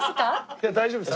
いや大丈夫です。